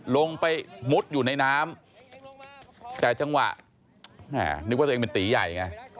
ลงไปมุดอยู่ในน้ำแต่จังหวะนึกว่าตัวเองเป็นตีใหญ่ไง